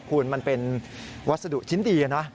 คุณมันเป็นวัสดุชิ้นดีนะ